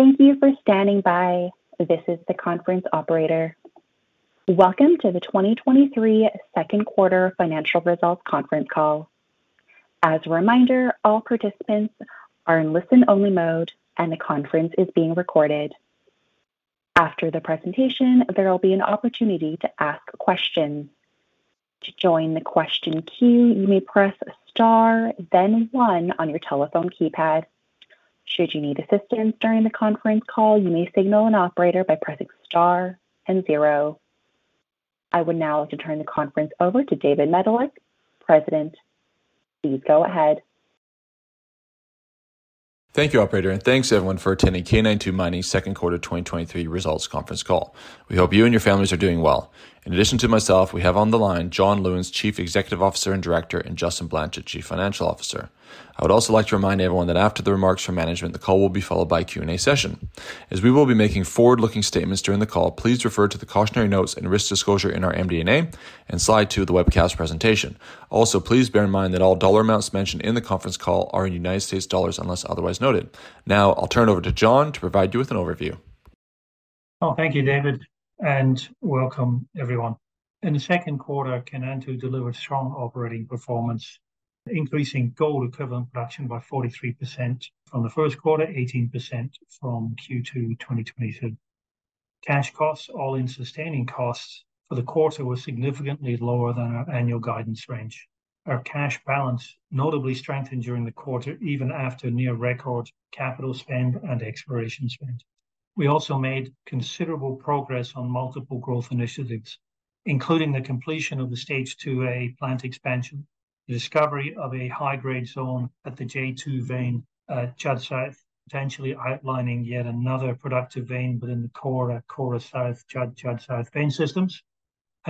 Thank you for standing by. This is the conference operator. Welcome to the 2023 second quarter financial results conference call. As a reminder, all participants are in listen-only mode, and the conference is being recorded. After the presentation, there will be an opportunity to ask questions. To join the question queue, you may press star then one on your telephone keypad. Should you need assistance during the conference call, you may signal an operator by pressing star and zero. I would now like to turn the conference over to David Medilek, President. Please go ahead. Thank you, operator, and thanks everyone for attending K92 Mining second quarter 2023 results conference call. We hope you and your families are doing well. In addition to myself, we have on the line, John Lewins, Chief Executive Officer and Director, and Justin Blanchet, Chief Financial Officer. I would also like to remind everyone that after the remarks from management, the call will be followed by a Q&A session. As we will be making forward-looking statements during the call, please refer to the cautionary notes and risk disclosure in our MD&A and slide two of the webcast presentation. Also, please bear in mind that all dollar amounts mentioned in the conference call are in U.S. dollars, unless otherwise noted. Now, I'll turn it over to John to provide you with an overview. Well, thank you, David, welcome everyone. In the 2nd quarter, Kainantu delivered strong operating performance, increasing gold equivalent production by 43% from the 1st quarter, 18% from Q2 2022. Cash costs, all-in sustaining costs for the quarter were significantly lower than our annual guidance range. Our cash balance notably strengthened during the quarter, even after near-record capital spend and exploration spend. We also made considerable progress on multiple growth initiatives, including the completion of the Stage 2A plant expansion, the discovery of a high-grade zone at the J2 Vein at Judd South, potentially outlining yet another productive vein within the Kora, Kora South, Judd, Judd South vein systems.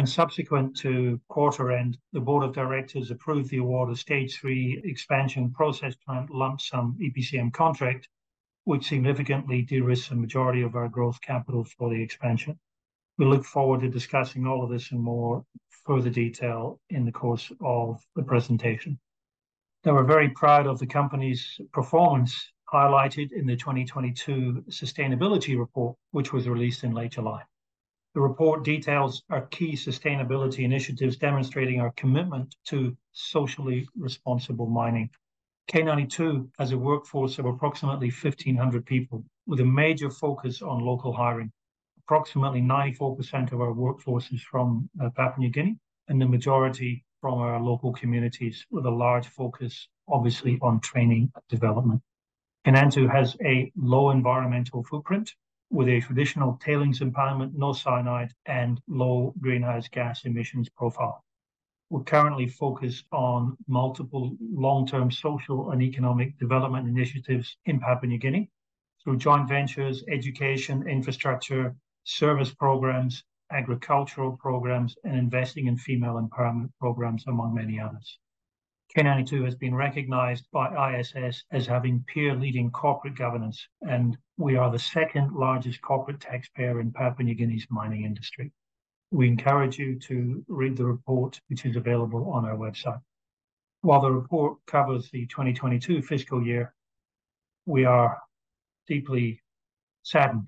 Subsequent to quarter end, the board of directors approved the award of Stage 3 expansion process plant lump sum EPCM contract, which significantly de-risks the majority of our growth capital for the expansion. We look forward to discussing all of this in more further detail in the course of the presentation. Now, we're very proud of the company's performance highlighted in the 2022 sustainability report, which was released in late July. The report details our key sustainability initiatives, demonstrating our commitment to socially responsible mining. K92 has a workforce of approximately 1,500 people, with a major focus on local hiring. Approximately 94% of our workforce is from Papua New Guinea, and the majority from our local communities, with a large focus, obviously, on training and development. Kainantu has a low environmental footprint, with a traditional tailings impoundment, no cyanide, and low greenhouse gas emissions profile. We're currently focused on multiple long-term social and economic development initiatives in Papua New Guinea through joint ventures, education, infrastructure, service prog, agricultural prog, and investing in female empowerment prog, among many others. K92 has been recognized by ISS as having peer-leading corporate governance, and we are the second largest corporate taxpayer in Papua New Guinea's mining industry. We encourage you to read the report, which is available on our website. While the report covers the FY 2022, we are deeply saddened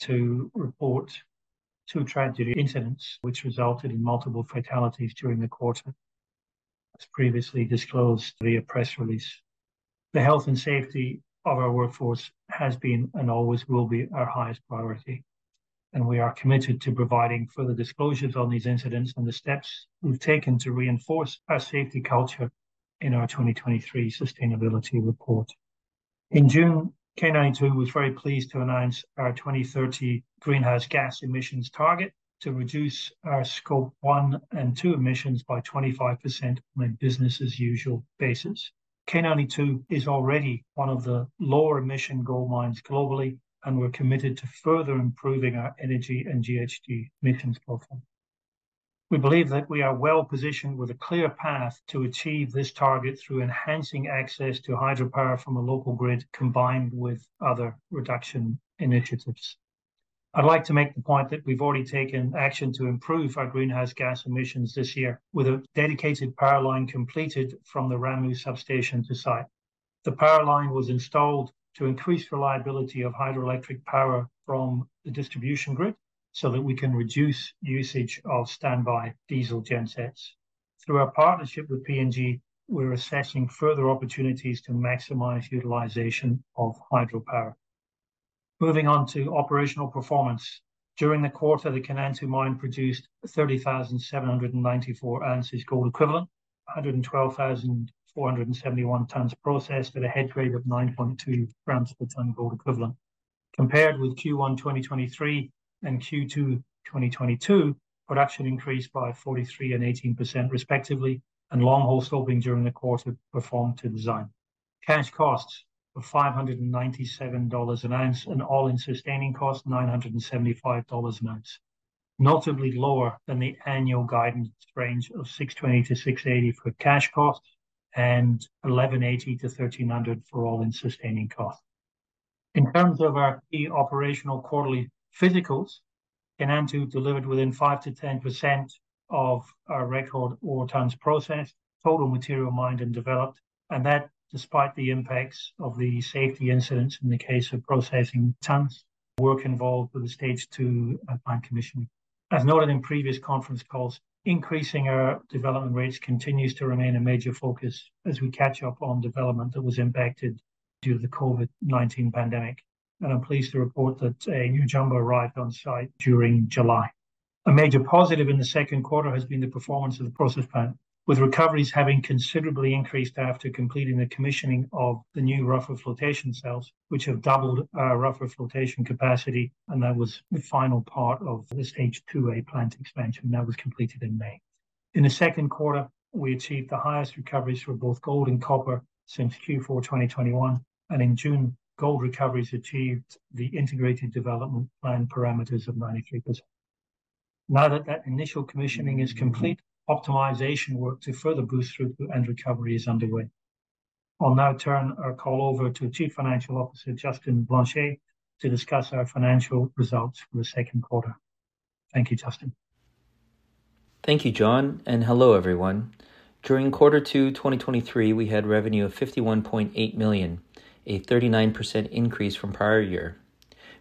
to report two tragedy incidents which resulted in multiple fatalities during the quarter, as previously disclosed via press release. The health and safety of our workforce has been, and always will be, our highest priority, and we are committed to providing further disclosures on these incidents and the steps we've taken to reinforce our safety culture in our 2023 sustainability report. In June, K92 was very pleased to announce our 2030 greenhouse gas emissions target to reduce our Scope 1 and 2 emissions by 25% on a business-as-usual basis. K92 is already one of the lower emission gold mines globally, and we're committed to further improving our energy and GHG emissions profile. We believe that we are well-positioned with a clear path to achieve this target through enhancing access to hydropower from a local grid, combined with other reduction initiatives. I'd like to make the point that we've already taken action to improve our greenhouse gas emissions this year with a dedicated power line completed from the Ramu substation to site. The power line was installed to increase reliability of hydroelectric power from the distribution grid so that we can reduce usage of standby diesel gen sets. Through our partnership with PNG, we're assessing further opportunities to maximize utilization of hydropower. Moving on to operational performance. During the quarter, the Kainantu mine produced 30,794 ounces gold equivalent, 112,471 tons processed at a head grade of 9.2 g per ton gold equivalent. Compared with Q1 2023 and Q2 2022, production increased by 43% and 18%, respectively, and longhole stoping during the quarter performed to design. Cash costs of $597 an ounce, and all-in sustaining cost, $975 an ounce, notably lower than the annual guidance range of $620-$680 for cash costs and $1,180-$1,300 for all-in sustaining costs. In terms of our key operational quarterly physicals... K92's delivered within 5%-10% of our record ore tons processed, total material mined and developed, and that despite the impacts of the safety incidents in the case of processing tons, work involved with the Stage 2 at mine commissioning. As noted in previous conference calls, increasing our development rates continues to remain a major focus as we catch up on development that was impacted due to the COVID-19 pandemic, and I'm pleased to report that a new jumbo arrived on site during July. A major positive in the second quarter has been the performance of the process plant, with recoveries having considerably increased after completing the commissioning of the new rougher flotation cells, which have doubled our rougher flotation capacity, and that was the final part of the Stage 2A plant expansion, and that was completed in May. In the second quarter, we achieved the highest recoveries for both gold and copper since Q4 2021, and in June, gold recoveries achieved the Integrated Development Plan param of 93%. Now that that initial commissioning is complete, optimization work to further boost throughput and recovery is underway. I'll now turn our call over to Chief Financial Officer, Justin Blanchet, to discuss our financial results for the second quarter. Thank you, Justin. Thank you, John, and hello, everyone. During Q2, 2023, we had revenue of $51.8 million, a 39% increase from prior year.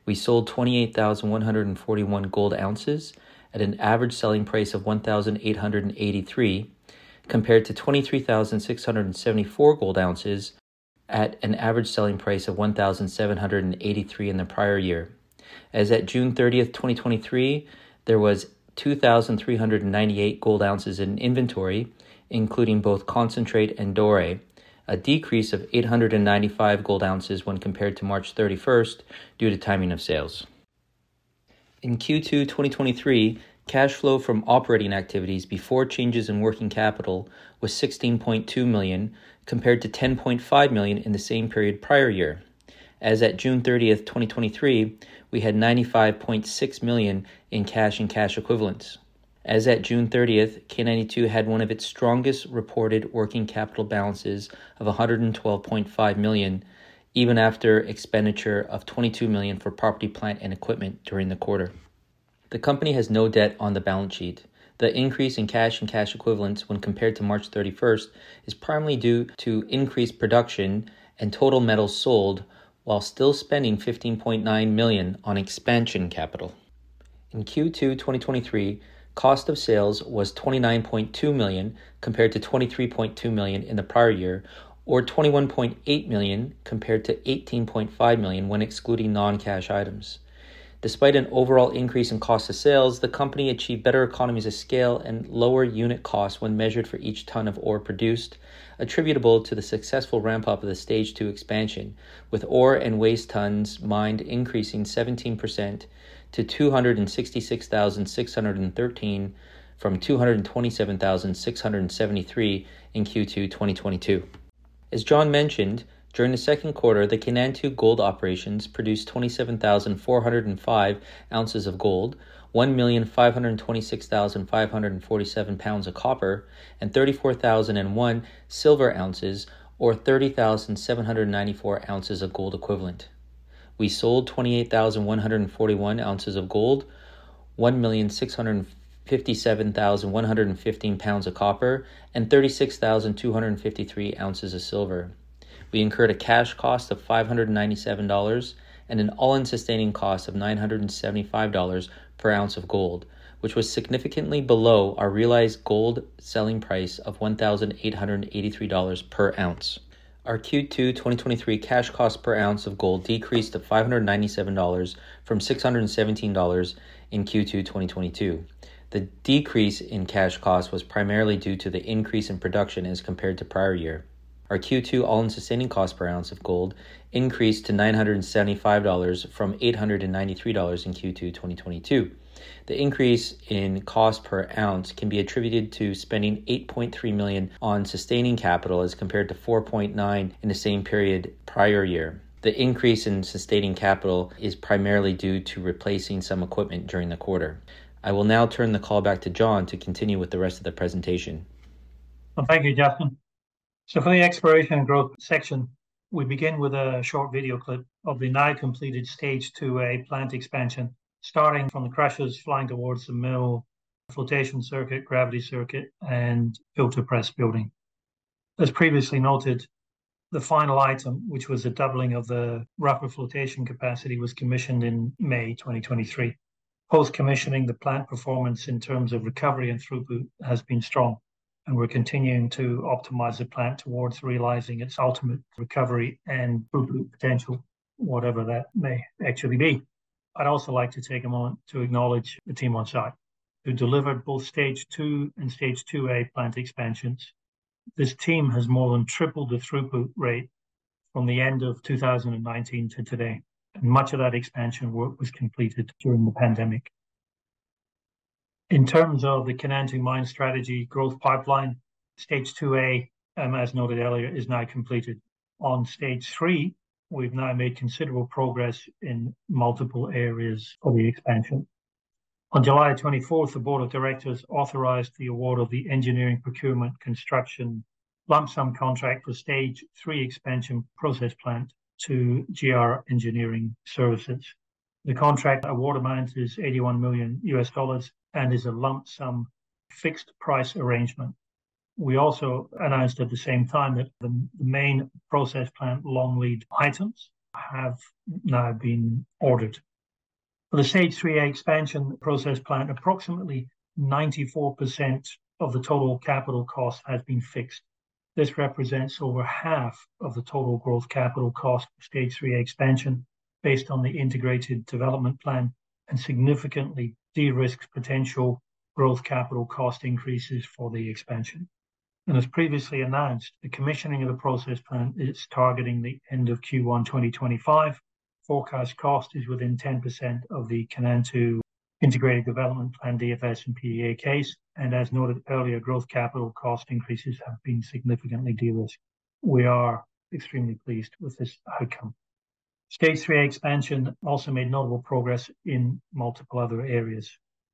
We sold 28,141 gold ounces at an average selling price of $1,883, compared to 23,674 gold ounces at an average selling price of $1,783 in the prior year. As at June 30th, 2023, there was 2,398 gold ounces in inventory, including both concentrate and doré, a decrease of 895 gold ounces when compared to March 31st due to timing of sales. In Q2, 2023, cash flow from operating activities before changes in working capital was $16.2 million, compared to $10.5 million in the same period prior year. As at June 30th, 2023, we had $95.6 million in cash and cash equivalents. As at June 30th, K92 had one of its strongest reported working capital balances of $112.5 million, even after expenditure of $22 million for property, plant, and equipment during the quarter. The company has no debt on the balance sheet. The increase in cash and cash equivalents when compared to March 31st, is primarily due to increased production and total metal sold, while still spending $15.9 million on expansion capital. In Q2 2023, cost of sales was $29.2 million, compared to $23.2 million in the prior year, or $21.8 million, compared to $18.5 million when excluding non-cash items. Despite an overall increase in cost of sales, the company achieved better economies of scale and lower unit costs when measured for each tonne of ore produced, attributable to the successful ramp-up of the Stage 2 expansion, with ore and waste tonnes mined increasing 17% to 266,613, from 227,673 in Q2, 2022. As John mentioned, during the second quarter, the Kainantu Gold Operations produced 27,405 ounces of gold, 1,526,547 pounds of copper, and 34,001 silver ounces, or 30,794 ounces of gold equivalent. We sold 28,141 ounces of gold, 1,657,115 pounds of copper, and 36,253 ounces of silver. We incurred a cash cost of $597, and an all-in sustaining cost of $975 per ounce of gold, which was significantly below our realized gold selling price of $1,883 per ounce. Our Q2, 2023 cash cost per ounce of gold decreased to $597 from $617 in Q2, 2022. The decrease in cash cost was primarily due to the increase in production as compared to prior year. Our Q2 all-in sustaining cost per ounce of gold increased to $975 from $893 in Q2, 2022. The increase in cost per ounce can be attributed to spending $8.3 million on sustaining capital as compared to $4.9 million in the same period prior year. The increase in sustaining capital is primarily due to replacing some equipment during the quarter. I will now turn the call back to John to continue with the rest of the presentation. Well, thank you, Justin. For the exploration and growth section, we begin with a short video clip of the now completed Stage 2A plant expansion, starting from the crushers, flying towards the middle, rougher flotation circuit, gravity circuit, and filter press building. As previously noted, the final item, which was a doubling of the rougher flotation capacity, was commissioned in May 2023. Post-commissioning, the plant performance in terms of recovery and throughput has been strong, and we're continuing to optimize the plant towards realizing its ultimate recovery and throughput potential, whatever that may actually be. I'd also like to take a moment to acknowledge the team on site who delivered both Stage 2 and Stage 2A plant expansions. This team has more than tripled the throughput rate from the end of 2019 to today, and much of that expansion work was completed during the pandemic. In terms of the Kainantu Mine Strategy growth pipeline, Stage 2A, as noted earlier, is now completed. On Stage 3, we've now made considerable progress in multiple areas of the expansion. On July 24th, the board of directors authorized the award of the engineering, procurement, construction lump sum contract for Stage 3 expansion process plant to GR Engineering Services. The contract award amount is $81 million, and is a lump sum fixed price arrangement. We also announced at the same time that the, the main process plant long lead items have now been ordered. For the Stage 3 expansion process plant, approximately 94% of the total capital cost has been fixed. This represents over 1/2 of the total growth capital cost of Stage 3 expansion, based on the Integrated Development Plan, and significantly de-risks potential growth capital cost increases for the expansion. As previously announced, the commissioning of the process plant is targeting the end of Q1, 2025. Forecast cost is within 10% of the Kainantu Integrated Development Plan DFS and PEA case, and as noted earlier, growth capital cost increases have been significantly de-risked. We are extremely pleased with this outcome. Stage 3 expansion also made notable progress in multiple other areas.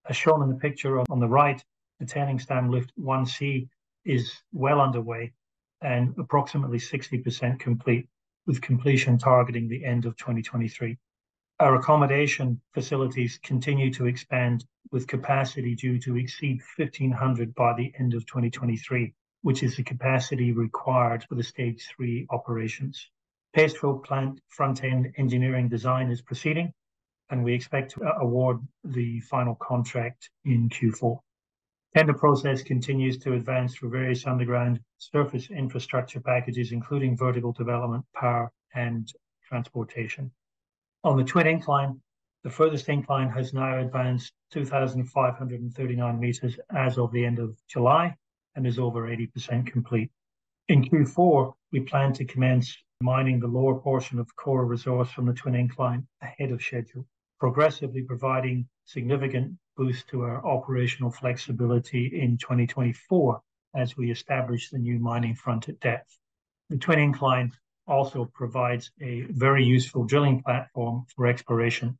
As shown in the picture on the right, the tailings dam lift 1C is well underway and approximately 60% complete, with completion targeting the end of 2023. Our accommodation facilities continue to expand, with capacity due to exceed 1,500 by the end of 2023, which is the capacity required for the Stage 3 operations. Paste fill plant front-end engineering design is proceeding, and we expect to award the final contract in Q4. The process continues to advance through various underground surface infrastructure packages, including vertical development, power, and transportation. On the twin incline, the furthest incline has now advanced 2,539 m as of the end of July, and is over 80% complete. In Q4, we plan to commence mining the lower portion of Kora resource from the twin incline ahead of schedule, progressively providing significant boost to our operational flexibility in 2024 as we establish the new mining front at depth. The twin incline also provides a very useful drilling platform for exploration.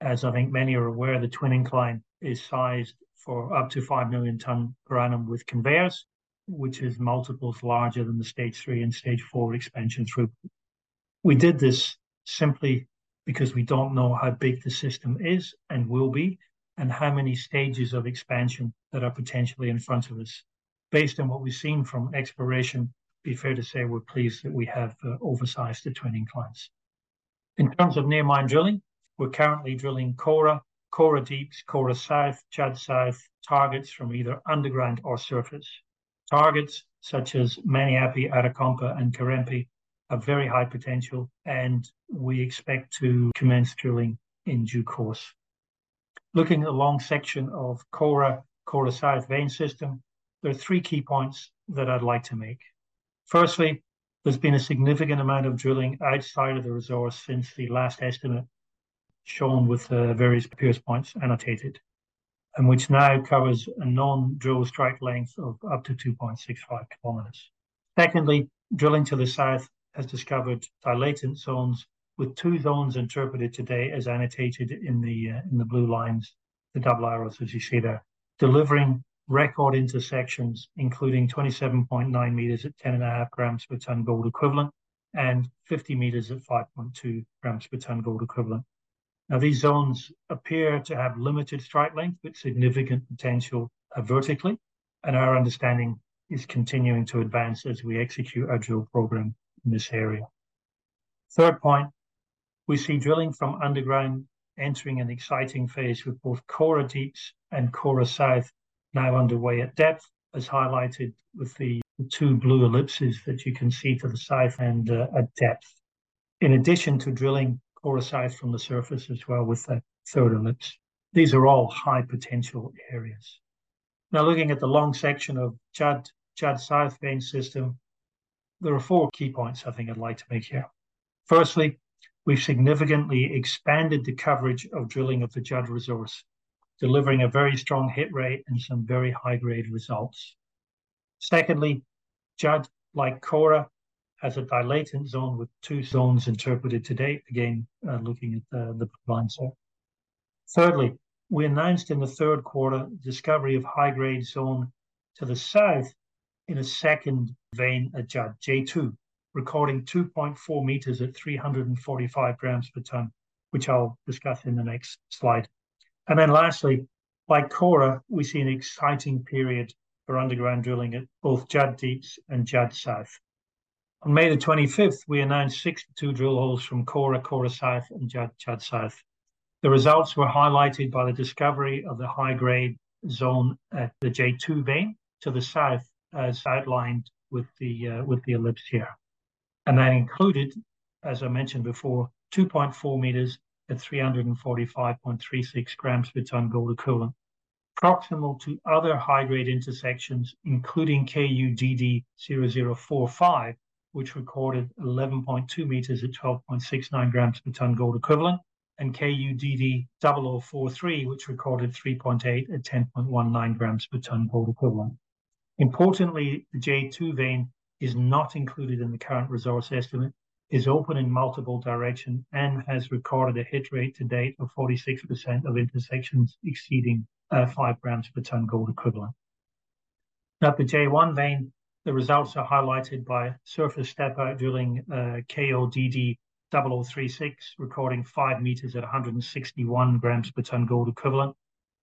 As I think many are aware, the twin incline is sized for up to 5 million tonne per annum with conveyors, which is multiples larger than the Stage 3 and Stage 4 expansion through. We did this simply because we don't know how big the system is and will be, and how many stages of expansion that are potentially in front of us. Based on what we've seen from exploration, be fair to say we're pleased that we have oversized the twin inclines. In terms of near mine drilling, we're currently drilling Kora, Kora Deep, Kora South, Judd South, targets from either underground or surface. Targets such as Maniapi, Arakompa, and Karempe, are very high potential, and we expect to commence drilling in due course. Looking at a long section of Kora, Kora South vein system, there are three key points that I'd like to make. Firstly, there's been a significant amount of drilling outside of the resource since the last estimate, shown with the various pierce points annotated, and which now covers a non-drill strike length of up to 2.65 km. Secondly, drilling to the south has discovered dilating zones, with 2 zones interpreted today as annotated in the blue lines, the double arrows, as you see there. Delivering record intersections, including 27.9 m at 10.5 g per tonne gold equivalent, and 50 m at 5.2 g per tonne gold equivalent. These zones appear to have limited strike length, but significant potential vertically, and our understanding is continuing to advance as we execute our drill program in this area. Third point, we see drilling from underground entering an exciting phase with both Kora Deep and Kora South now underway at depth, as highlighted with the 2 blue ellipses that you can see to the south and at depth. In addition to drilling Kora South from the surface as well with the third ellipse. These are all high potential areas. Now, looking at the long section of Judd, Judd South vein system, there are four key points I think I'd like to make here. Firstly, we've significantly expanded the coverage of drilling of the Judd resource, delivering a very strong hit rate and some very high-grade results. Secondly, Judd, like Kora, has a dilating zone with 2 zones interpreted to date, again, looking at the blue lines there. Thirdly, we announced in the third quarter discovery of high-grade zone to the south in a second vein at Judd, J2, recording 2.4 m at 345 g per tonne, which I'll discuss in the next slide. Lastly, like Kora, we see an exciting period for underground drilling at both Judd Deep and Judd South. On May 25th, we announced 62 drill holes from Kora, Kora South, and Judd, Judd South. The results were highlighted by the discovery of the high-grade zone at the J2 Vein to the south, as outlined with the, with the ellipse here. That included, as I mentioned before, 2.4 m at 345.36 g per tonne gold equivalent. Proximal to other high-grade intersections, including KUDD-0045, which recorded 11.2 m at 12.69 g per tonne gold equivalent, and KUDD-0043, which recorded 3.8 at 10.19 g per tonne gold equivalent. Importantly, the J2 Vein is not included in the current resource estimate, is open in multiple directions, and has recorded a hit rate to date of 46% of intersections exceeding 5 g per tonne gold equivalent. At the J1 vein, the results are highlighted by surface stepper drilling, KODD0036, recording 5 m at 161 g per tonne gold equivalent,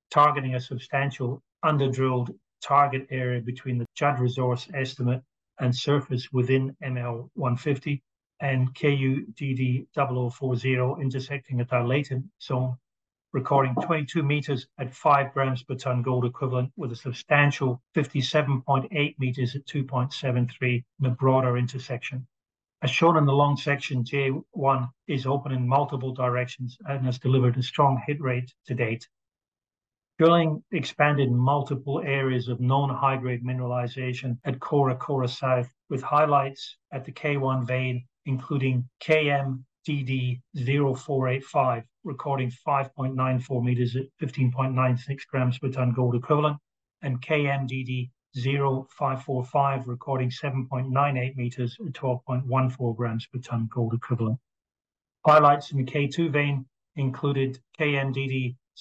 targeting a substantial under-drilled target area between the Judd resource estimate and surface within ML 150, and KUDD0040 intersecting a dilated zone, recording 22 m at 5 g per tonne gold equivalent, with a substantial 57.8 m at 2.73 in a broader intersection. As shown in the long section, J1 is open in multiple directions and has delivered a strong hit rate to date. Drilling expanded multiple areas of non-high-grade mineralization at Kora-Kora South, with highlights at the K1 vein, including KMDD0485, recording 5.94 m at 15.96 g per tonne gold equivalent, and KMDD0545, recording 7.98 m at 12.14 g per tonne gold equivalent. Highlights in the K2 vein included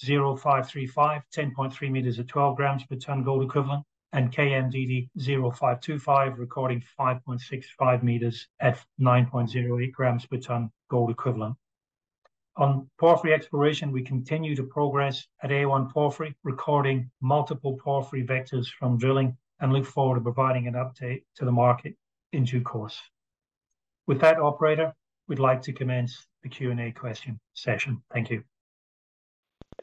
KMDD0535, 10.3 m at 12 g per tonne gold equivalent, and KMDD0525, recording 5.65 m at 9.08 g per tonne gold equivalent. On porphyry exploration, we continue to progress at A1 Porphyry, recording multiple porphyry vectors from drilling, look forward to providing an update to the market in due course. With that, operator, we'd like to commence the Q&A question session.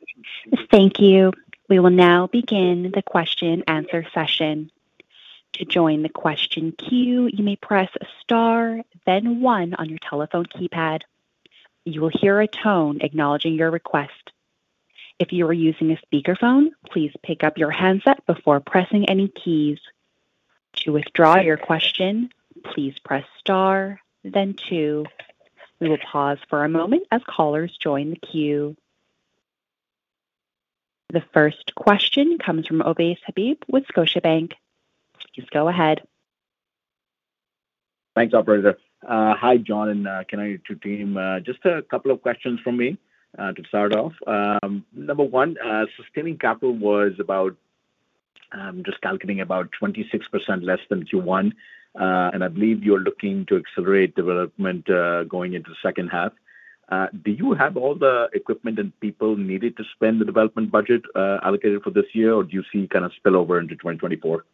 Thank you. Thank you. We will now begin the question and answer session. To join the question queue, you may press Star then 1 on your telephone keypad. You will hear a tone acknowledging your request. If you are using a speakerphone, please pick up your handset before pressing any keys. To withdraw your question, please press Star then 2. We will pause for a moment as callers join the queue. The first question comes from Ovais Habib with Scotiabank. Please go ahead. Thanks, operator. Hi, John and your team, just a couple of questions from me to start off. Number one, sustaining capital was about, just calculating about 26% less than Q1. I believe you're looking to accelerate development going into the second half. Do you have all the equipment and people needed to spend the development budget allocated for this year, or do you see kind of spill over into 2024?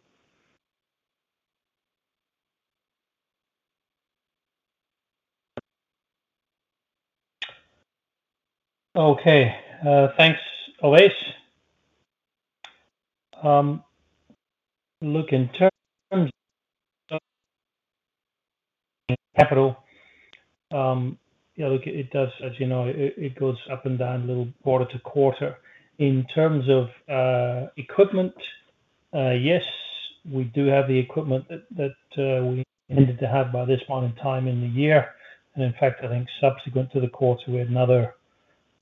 Okay. Thanks, Ovais. Look, in terms of capital, yeah, look, it does as you know, it, it goes up and down a little quarter to quarter. In terms of equipment, yes, we do have the equipment that, that, we needed to have by this point in time in the year. In fact, I think subsequent to the quarter, we had another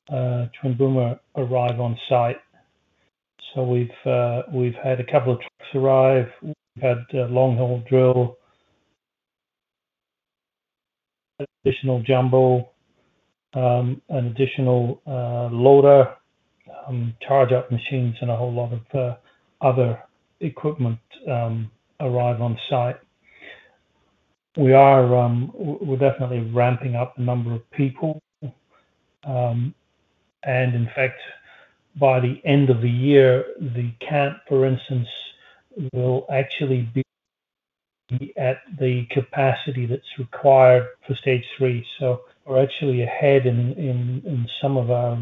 twin boomer arrive on site. We've, we've had two trucks arrive, we've had a long-hole drill, additional jumbo, an additional loader, charge out machines, and a whole lot of other equipment arrive on site. We are, we're definitely ramping up the number of people. In fact, by the end of the year, the camp, for instance, will actually be at the capacity that's required for Stage 3. We're actually ahead in, in, in some of our,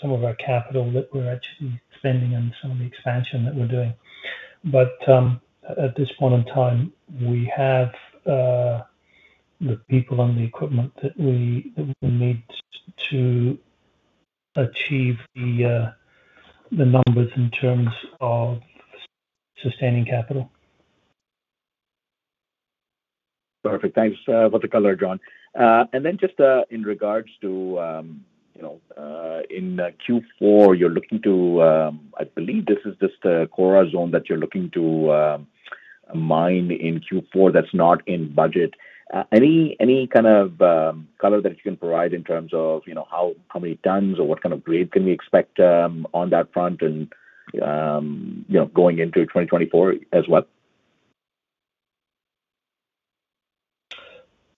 some of our capital that we're actually spending and some of the expansion that we're doing. At this point in time, we have the people on the equipment that we, that we need to achieve the numbers in terms of sustaining capital. Perfect. Thanks for the color, John. Then just in regards to, in Q4, you're looking to, I believe this is just the Kora zone that you're looking to mine in Q4, that's not in budget. Any, any kind of color that you can provide in terms of how, how many tons or what kind of grade can we expect on that front and going into 2024 as well?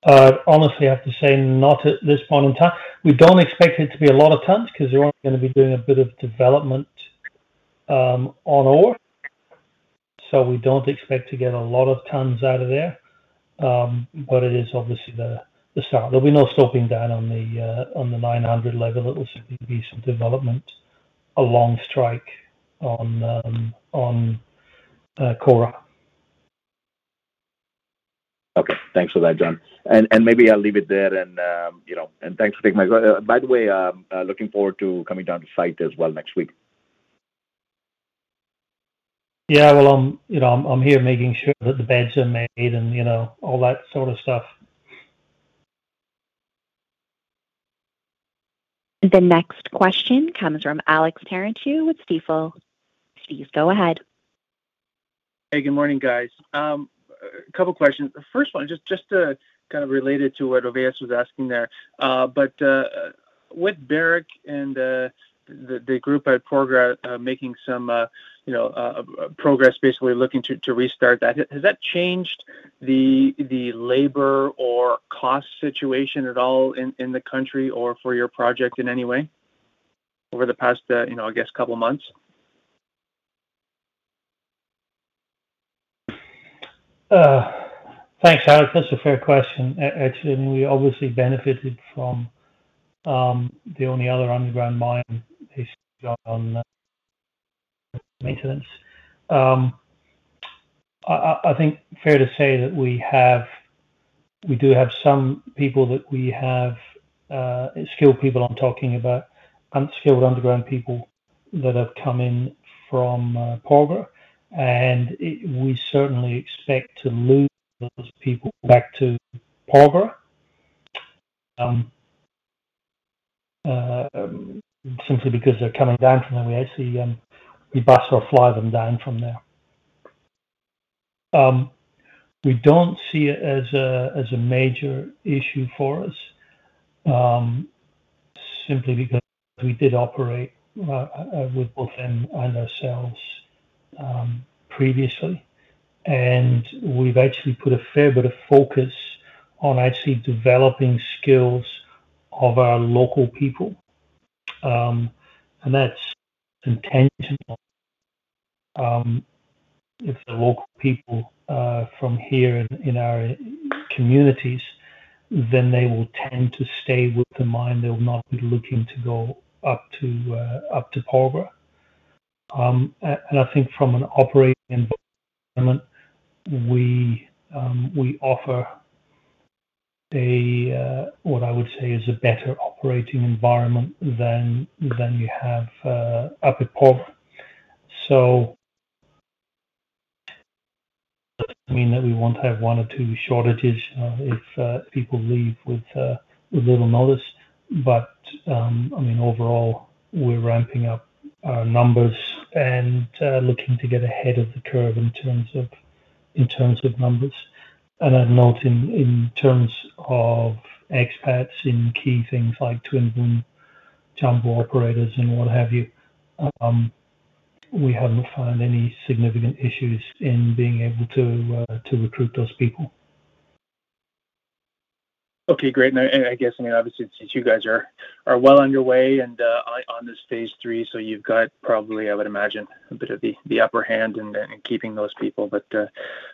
honestly, I have to say not at this point in time. We don't expect it to be a lot of tons, 'cause we're only gonna be doing a bit of development, on ore. We don't expect to get a lot of tons out of there. It is obviously the, the start. There'll be no stopping down on the, on the 900 level. It'll simply be some development, a long strike on the, on, Kora. Okay. Thanks for that, John. Maybe I'll leave it there, and, you know, and thanks for taking my call. By the way, I'm looking forward to coming down to site as well next week. Yeah, well, I'm, you know, I'm here making sure that the beds are made and, you know, all that sort of stuff. The next question comes from Alex Terentiew with Stifel. Please go ahead. Hey, good morning, guys.... A couple questions. The first one, just to kind of related to what Ovais Habib was asking there. With Barrick and the group at Porgera, making some, you know, progress, basically looking to restart that, has that changed the labor or cost situation at all in the country or for your project in any way over the past, you know, I guess, couple months? Thanks, Alex. That's a fair question. Actually, we obviously benefited from the only other underground mine is on maintenance. I think fair to say that we do have some people that we have skilled people I'm talking about, unskilled underground people that have come in from Porgera, and we certainly expect to lose those people back to Porgera. Simply because they're coming down from there, we actually we bus or fly them down from there. We don't see it as a, as a major issue for us, simply because we did operate with both them and ourselves previously. We've actually put a fair bit of focus on actually developing skills of our local people, and that's intentional. If the local people, from here in, in our communities, then they will tend to stay with the mine. They will not be looking to go up to, up to Porgera. I think from an operating environment, we, we offer a, what I would say is a better operating environment than, than you have, up at Porgera. I mean, that we won't have one or two shortages, if people leave with little notice. I mean, overall, we're ramping up our numbers and, looking to get ahead of the curve in terms of, in terms of numbers. I'd note in, in terms of expats in key things like twin boom jumbo operators and what have you, we haven't found any significant issues in being able to, to recruit those people. Okay, great. I, I guess, I mean, obviously, since you guys are, are well on your way and on this Stage 3, you've got probably, I would imagine, a bit of the, the upper hand in, in keeping those people, but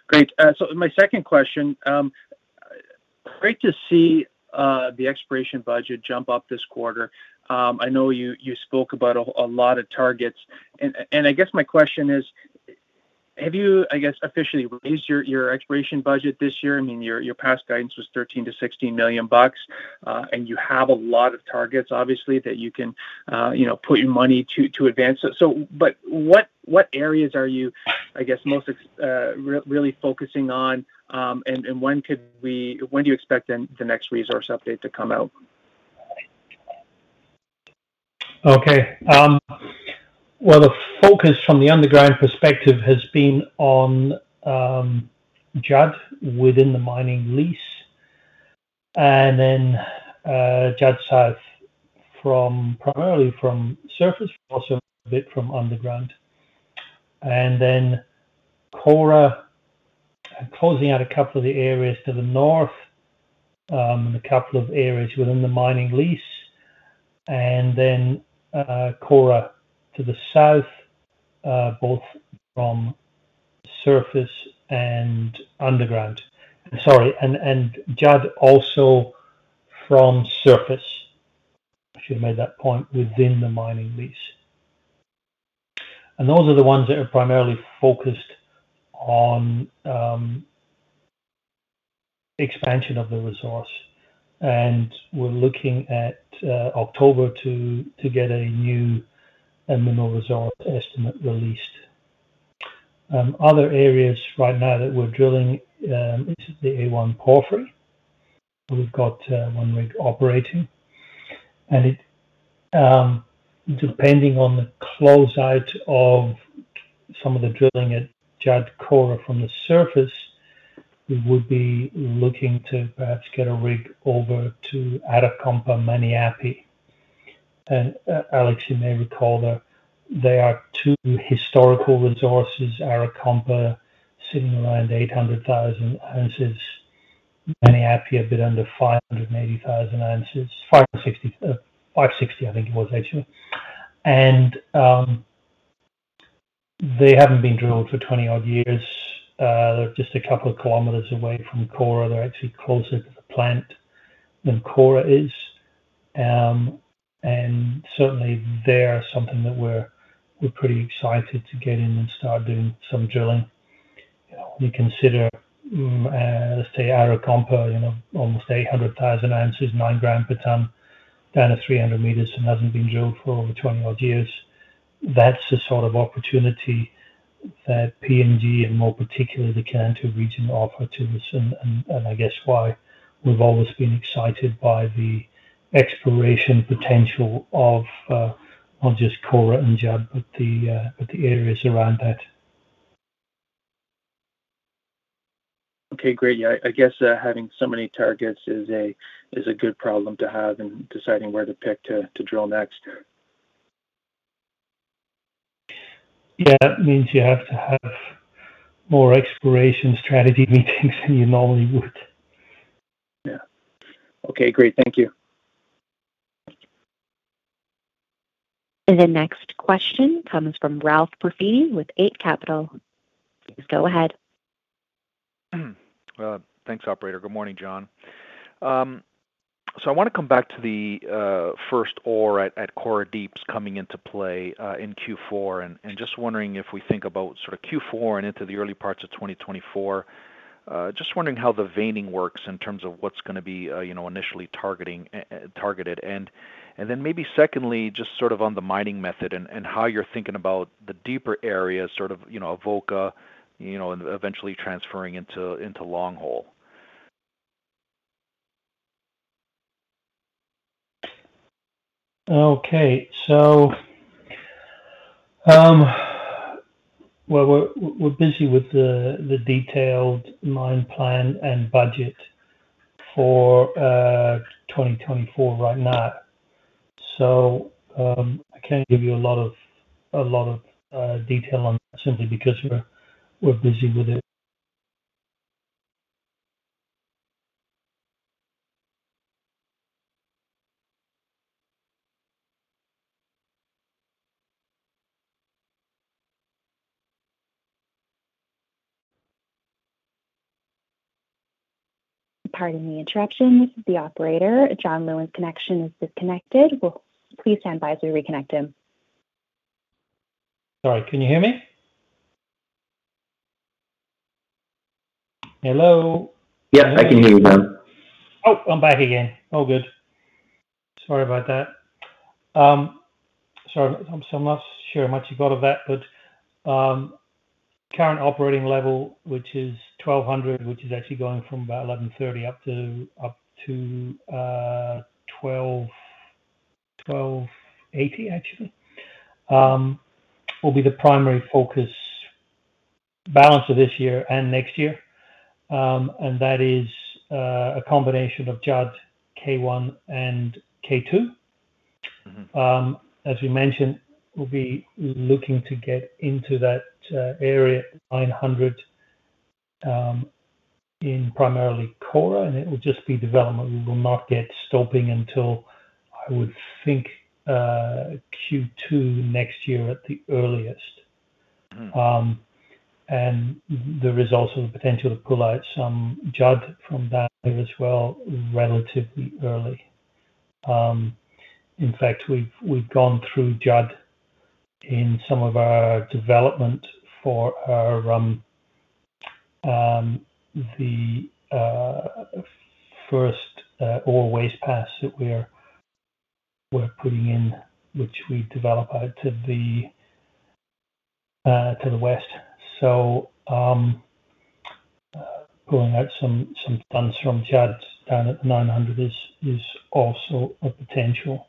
great. My second question, great to see the exploration budget jump up this quarter. I know you, you spoke about a lot of targets, and I guess my question is, have you, I guess, officially raised your exploration budget this year? I mean, your past guidance was $13 million-$16 million, and you have a lot of targets, obviously, that you can, you know, put your money to, to advance it. What, what areas are you, I guess, most, really focusing on, and when could we when do you expect the, the next resource update to come out? Okay. Well, the focus from the underground perspective has been on Judd within the mining lease, then Judd South from, primarily from surface, also a bit from underground. Kora, closing out a couple of the areas to the north, and a couple of areas within the mining lease, and then Kora to the south, both from surface and underground. Sorry, Judd also from surface, I should have made that point, within the mining lease. Those are the ones that are primarily focused on expansion of the resource, and we're looking at October to get a new mineral resource estimate released. Other areas right now that we're drilling is the A-One Porphyry. We've got one rig operating, and it, depending on the closeout of some of the drilling at Judd Kora from the surface, we would be looking to perhaps get a rig over to Arakompa, Maniapi. Alex, you may recall that there are two historical resources, Arakompa, sitting around 800,000 oz, Maniapi, a bit under 580,000 oz. 560, 560, I think it was actually. They haven't been drilled for 20-odd years. They're just a couple of kilometers away from Kora. They're actually closer to the plant than Kora is. Certainly, they're something that we're, we're pretty excited to get in and start doing some drilling. You know, when you consider, let's say Arakompa, you know, almost 800,000 oz, 9 g per ton, down to 300 m and hasn't been drilled for over 20-odd years, that's the sort of opportunity that PNG, and more particularly the Kainantu region, offer to us. And, and I guess why we've always been excited by the exploration potential of, not just Kora and Judd, but the, but the areas around that. Okay, great. Yeah, I, I guess, having so many targets is a, is a good problem to have in deciding where to pick to, to drill next. Yeah, it means you have to have more exploration strategy meetings than you normally would. Yeah. Okay, great. Thank you. The next question comes from Ralph Profiti with Eight Capital. Please go ahead. Thanks, operator. Good morning, John. I wanna come back to the first ore at Kora Deep coming into play in Q4, just wondering if we think about sort of Q4 and into the early parts of 2024. Just wondering how the veining works in terms of what's gonna be, you know, initially targeting, targeted. Then maybe secondly, just sort of on the mining method and how you're thinking about the deeper areas, sort of, you know, Avoca, you know, and eventually transferring into, into longhole. Okay. Well, we're busy with the detailed mine plan and budget for 2024 right now. I can't give you a lot of detail on that simply because we're busy with it. Pardon the interruption. This is the operator. John Lewins's connection is disconnected. We'll please stand by as we reconnect him. Sorry, can you hear me? Hello? Yep, I can hear you now. Oh, I'm back again. All good. Sorry about that. I'm not sure how much you got of that, but current operating level, which is 1,200, which is actually going from about 1,130 up to 1,280, actually, will be the primary focus balance of this year and next year. That is a combination of Judd, K1, and K2. Mm-hmm. As we mentioned, we'll be looking to get into that, area 900, in primarily Kora. It will just be development. We will not get stoping until, I would think, Q2 next year at the earliest. Mm. The results have the potential to pull out some Judd from that as well, relatively early. In fact, we've, we've gone through Judd in some of our development for our first ore waste pass that we're, we're putting in, which we develop out to the west. Pulling out some tons from Judd down at 900 is also a potential.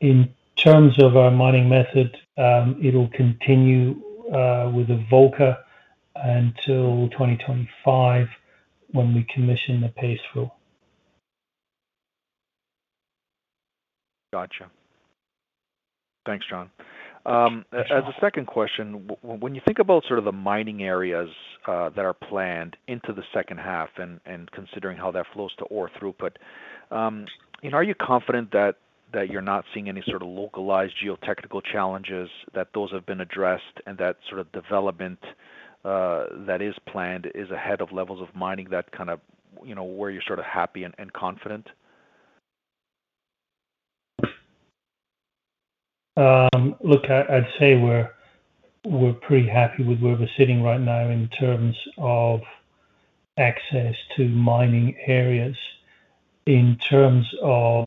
In terms of our mining method, it'll continue with Avoca until 2025, when we commission the paste fill plant. Gotcha. Thanks, John. Thanks, Ralph. As, as a second question, when you think about sort of the mining areas, that are planned into the second half and, and considering how that flows to ore throughput, you know, are you confident that, that you're not seeing any sort of localized geotechnical challenges, that those have been addressed, and that sort of development, that is planned is ahead of levels of mining, that kind of, you know, where you're sort of happy and, and confident? Look, I, I'd say we're, we're pretty happy with where we're sitting right now in terms of access to mining areas. In terms of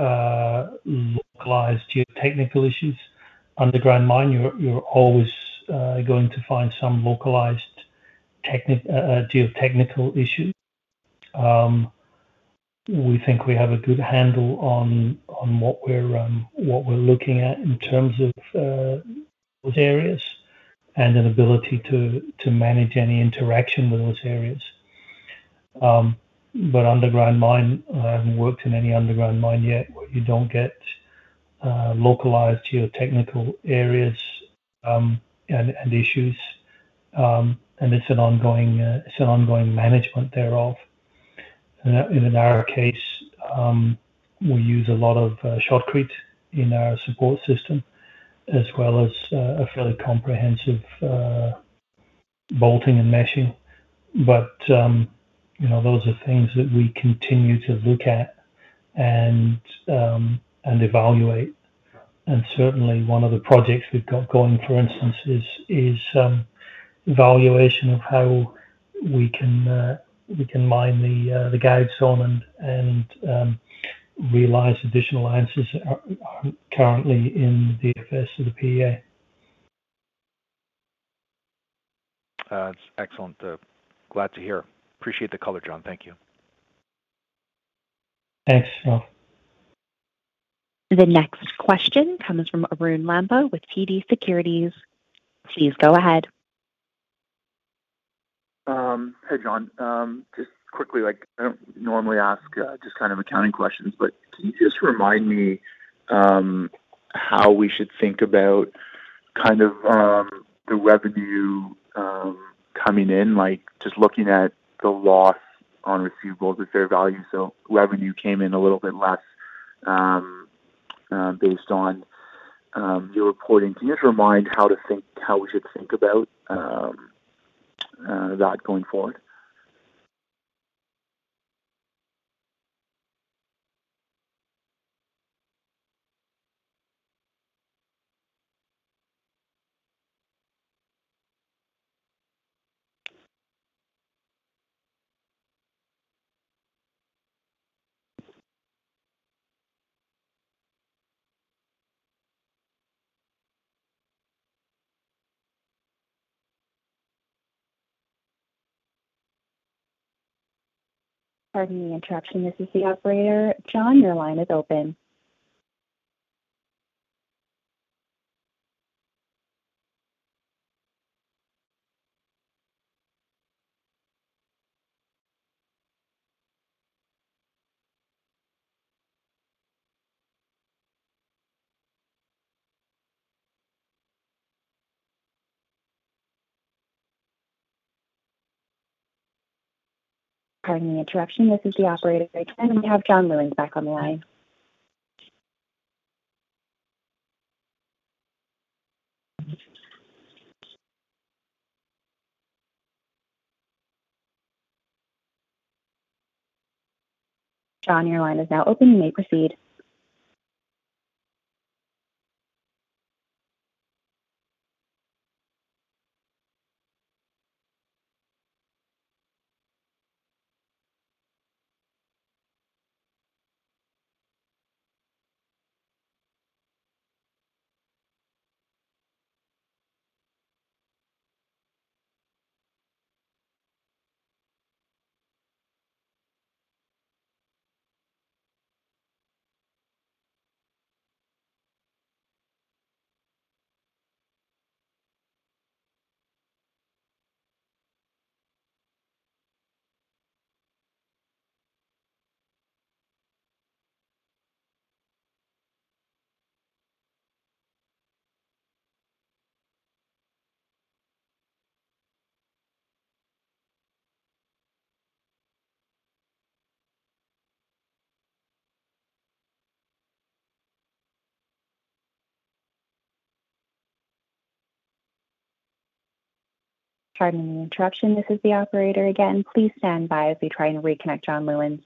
localized geotechnical issues, underground mine, you're, you're always going to find some localized geotechnical issue. We think we have a good handle on, on what we're, what we're looking at in terms of those areas and an ability to, to manage any interaction with those areas. But underground mine, I haven't worked in any underground mine yet, where you don't get localized geotechnical areas, and, and issues, and it's an ongoing, it's an ongoing management thereof. In our case, we use a lot of shotcrete in our support system, as well as a fairly comprehensive bolting and meshing. You know, those are things that we continue to look at and evaluate. Certainly one of the projects we've got going, for instance, is, is evaluation of how we can mine the gouge zone and, and realize additional answers are, are currently in the DFS of the PEA. That's excellent. Glad to hear. Appreciate the color, John. Thank you. Thanks, Ralph. The next question comes from Arun Lamba with TD Securities. Please go ahead. Hey, John. Just quickly, like, I don't normally ask, just kind of accounting questions, but can you just remind me, how we should think about kind of, the revenue, coming in? Like, just looking at the loss on receivables at fair value. Revenue came in a little bit less, based on, your reporting. Can you just remind how to think, how we should think about, that going forward? Pardon the interruption. This is the operator. John, your line is open. Pardon the interruption. This is the operator again, and we have John Lewins back on the line. John, your line is now open. You may proceed. Pardon the interruption, this is the operator again. Please stand by as we try and reconnect John Lewins.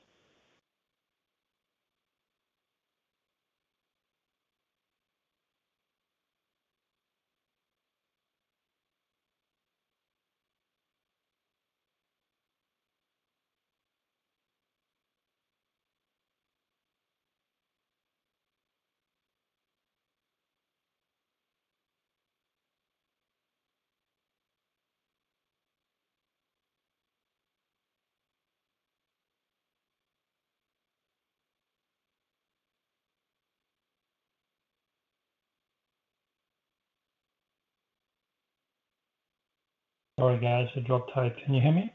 Sorry, guys, I dropped tape. Can you hear me?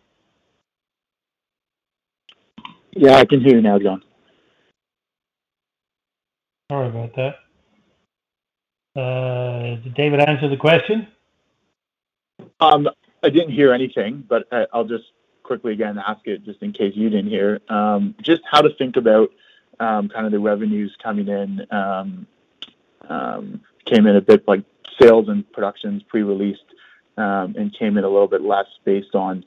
Yeah, I can hear you now, John. Sorry about that. Did David answer the question? I didn't hear anything, but I, I'll just quickly again ask it just in case you didn't hear. Just how to think about kind of the revenues coming in, came in a bit like sales and productions pre-released, and came in a little bit less based on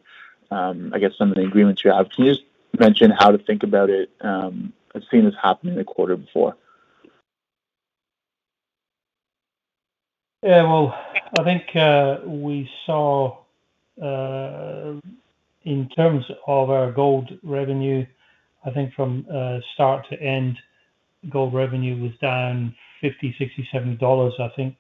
I guess some of the agreements you have. Can you just mention how to think about it? I've seen this happen in the quarter before. Yeah, well, I think, we saw, in terms of our gold revenue, I think from start to end, gold revenue was down $50.67, I think,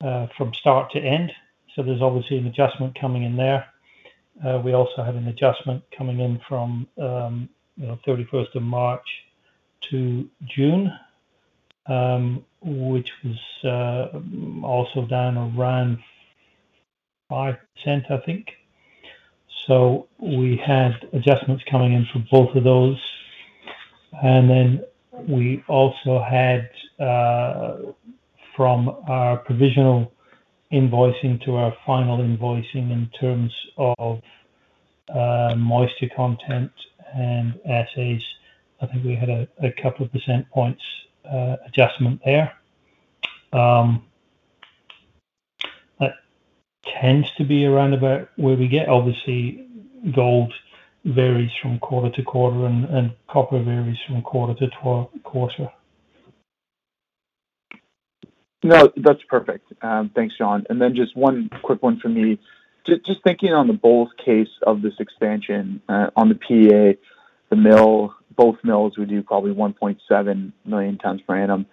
from start to end. There's obviously an adjustment coming in there. We also had an adjustment coming in from, you know, 31st of March to June, which was also down around 5%, I think. We had adjustments coming in from both of those. We also had from our provisional invoicing to our final invoicing in terms of moisture content and assays. I think we had a couple of percent points adjustment there. That tends to be around about where we get. Obviously, gold varies from quarter to quarter, and copper varies from quarter to quarter. No, that's perfect. Thanks, John. Just one quick one for me. Just thinking on the bull case of this expansion, on the PEA, the mill, both mills would do probably 1.7 million tons per annum.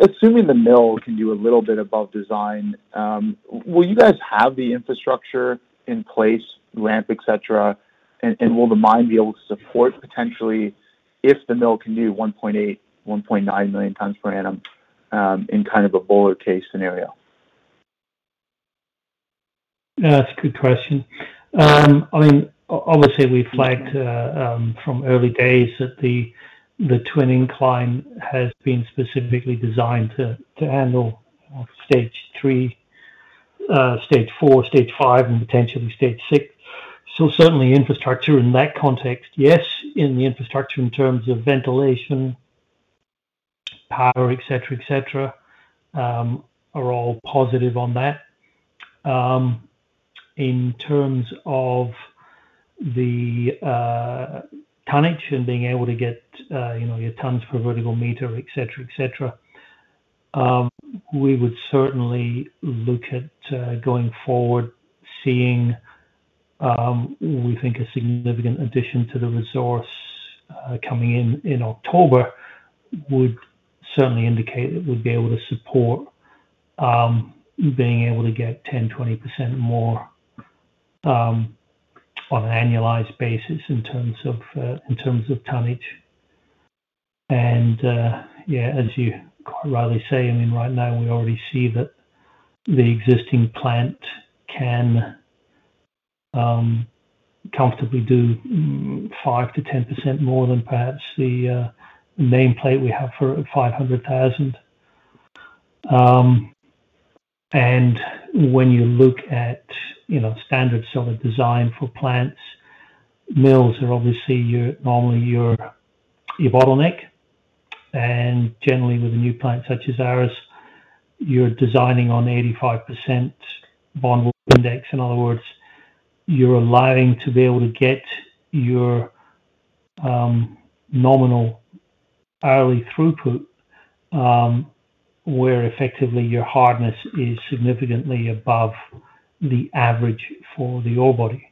Assuming the mill can do a little bit above design, will you guys have the infrastructure in place, ramp, et cetera, and will the mine be able to support potentially if the mill can do 1.8-1.9 million tons per annum in kind of a bull case scenario? That's a good question. I mean, we flagged from early days that the twin incline has been specifically designed to handle Stage 3, Stage 4, Stage 5, and potentially Stage 6. Certainly infrastructure in that context, yes, in the infrastructure in terms of ventilation, power, et cetera, et cetera, are all positive on that. In terms of the tonnage and being able to get, you know, your tons per vertical meter, et cetera, et cetera, we would certainly look at going forward, seeing, we think a significant addition to the resource coming in, in October, would certainly indicate that we'd be able to support being able to get 10%, 20% more on an annualized basis in terms of in terms of tonnage. Yeah, as you quite rightly say, I mean, right now, we already see that the existing plant can comfortably do 5%-10% more than perhaps the nameplate we have for 500,000. When you look at, you know, standard sort of design for plants, mills are obviously your, normally your, your bottleneck. Generally, with a new plant such as ours, you're designing on 85% Bond Work Index. In other words, you're allowing to be able to get your nominal hourly throughput where effectively your hardness is significantly above the average for the ore body.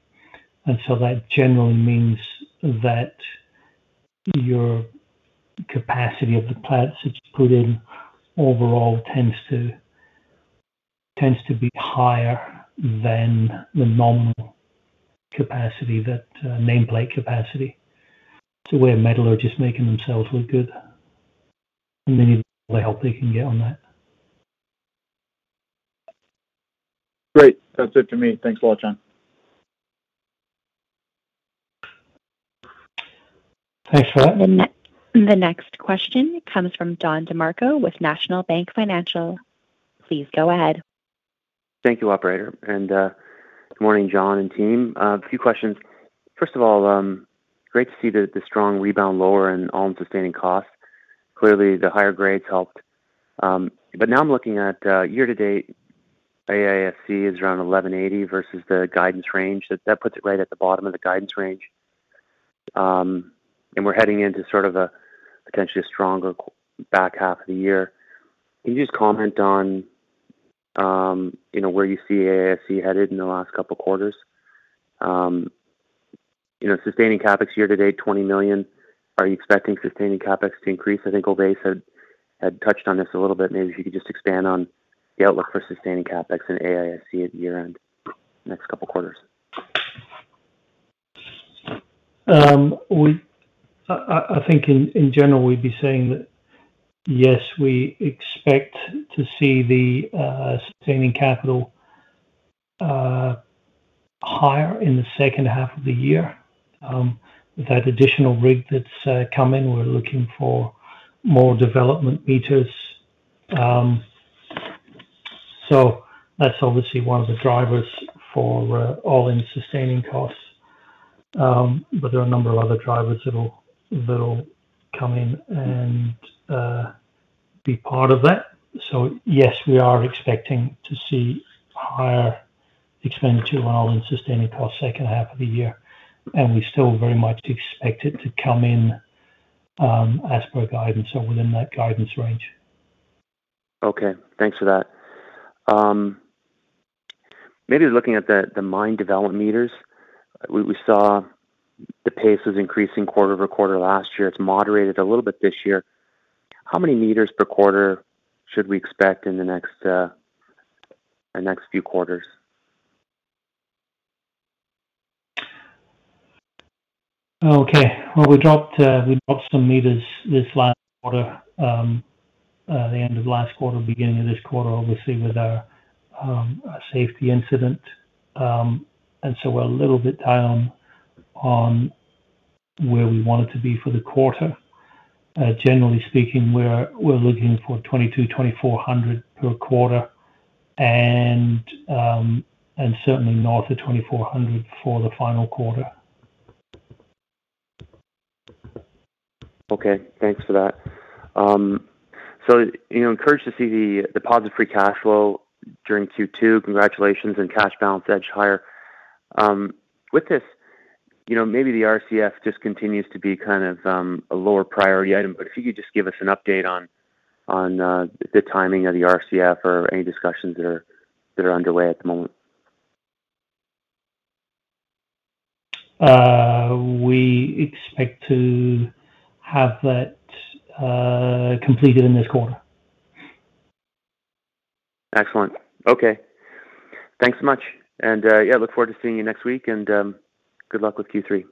That generally means that your capacity of the plant that you put in overall tends to, tends to be higher than the nominal capacity, that nameplate capacity. It's a way of metal are just making themselves look good, and then all the help they can get on that. Great. That's it for me. Thanks a lot, John. Thanks for that. The next question comes from Don DeMarco with National Bank Financial. Please go ahead. Thank you, operator. Good morning, John and team. A few questions. First of all, great to see the strong rebound lower in all-in sustaining costs. Clearly, the higher grades helped. But now I'm looking at year to date, AISC is around $1,180 versus the guidance range. That, that puts it right at the bottom of the guidance range. We're heading into sort of a potentially stronger back half of the year. Can you just comment on, you know, where you see AISC headed in the last couple of quarters? You know, sustaining CapEx year to date, $20 million. Are you expecting sustaining CapEx to increase? I think Ovais Habib had, had touched on this a little bit. Maybe if you could just expand on the outlook for sustaining CapEx and AISC at year-end, next couple of quarters. We, I think in general, we'd be saying that, yes, we expect to see the sustaining capital higher in the second half of the year. With that additional rig that's coming, we're looking for more development m. That's obviously one of the drivers for all-in sustaining costs. There are a number of other drivers that'll come in and be part of that. Yes, we are expecting to see higher expenditure on all-in sustaining costs second half of the year, and we still very much expect it to come in as per guidance or within that guidance range. Okay, thanks for that. maybe looking at the, the mine development meters, we, we saw the pace was increasing quarter-over-quarter last year. It's moderated a little bit this year. How many meters per quarter should we expect in the next, the next few quarters? Okay. Well, we dropped, we dropped some meters this last quarter, the end of last quarter, beginning of this quarter, obviously, with our safety incident. We're a little bit down on where we wanted to be for the quarter. Generally speaking, we're looking for 2,000-2,400 per quarter and certainly north of 2,400 for the final quarter. Okay, thanks for that. You know, encouraged to see the, the positive free cash flow during Q2. Congratulations on cash balance edged higher. With this, you know, maybe the RCF just continues to be kind of, a lower priority item, but if you could just give us an update on, on, the timing of the RCF or any discussions that are, that are underway at the moment.... we expect to have that completed in this quarter. Excellent. Okay. Thanks so much, and, yeah, look forward to seeing you next week, and, good luck with Q3.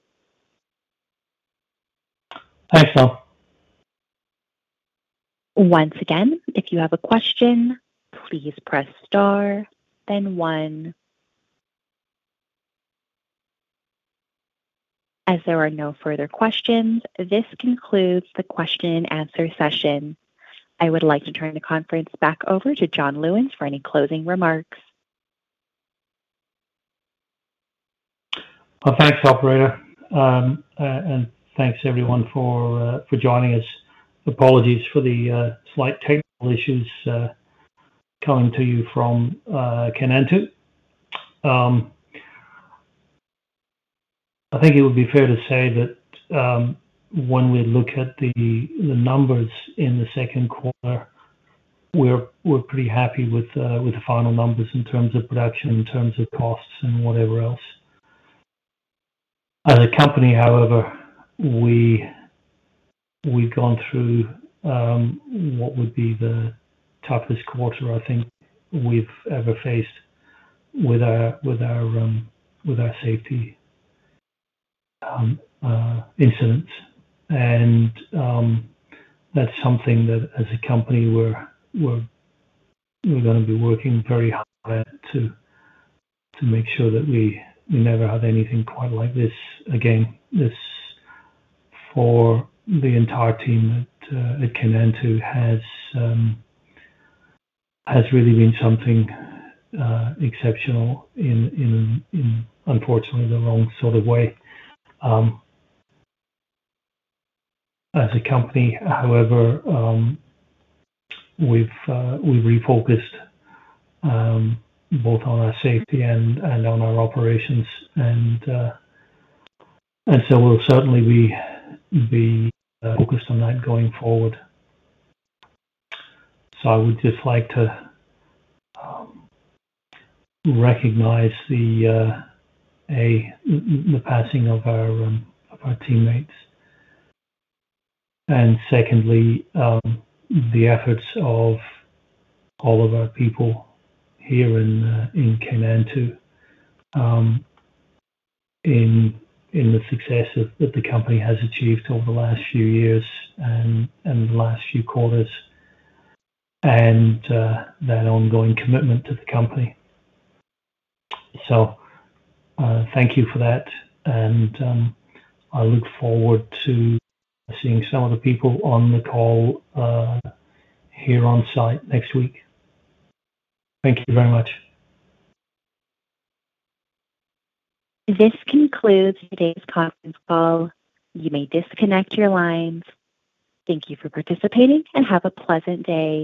Thanks, Phil. Once again, if you have a question, please press star, then 1. As there are no further questions, this concludes the question and answer session. I would like to turn the conference back over to John Lewins for any closing remarks. Well, thanks, operator. Thanks everyone for joining us. Apologies for the slight technical issues, coming to you from Kainantu. I think it would be fair to say that, when we look at the, the numbers in the second quarter, we're, we're pretty happy with the final numbers in terms of production, in terms of costs, and whatever else. As a company, however, we, we've gone through, what would be the toughest quarter I think we've ever faced with our, with our, with our safety, incident. That's something that as a company, we're, we're, we're gonna be working very hard at to, to make sure that we, we never have anything quite like this again. This, for the entire team at Kainantu has really been something exceptional in unfortunately, the wrong sort of way. As a company, however, we've refocused both on our safety and on our operations, and we'll certainly be focused on that going forward. I would just like to recognize the passing of our teammates. Secondly, the efforts of all of our people here in Kainantu in the success of that the company has achieved over the last few years and the last few quarters, and that ongoing commitment to the company. Thank you for that, and I look forward to seeing some of the people on the call here on site next week. Thank you very much. This concludes today's conference call. You may disconnect your lines. Thank you for participating, and have a pleasant day.